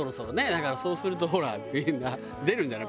だからそうするとほらみんな出るんじゃない？